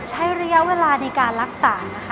ใช้ระยะเวลาในการรักษานะคะ